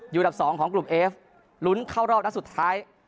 อันดับ๒ของกลุ่มเอฟลุ้นเข้ารอบนัดสุดท้าย